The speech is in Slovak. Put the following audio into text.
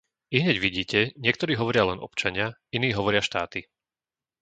Ihneď vidíte, niektorí hovoria len občania, iní hovoria štáty.